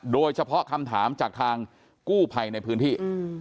โดยเฉพาะคำถามจากทางกู้ภัยในพื้นที่